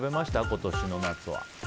今年の夏は。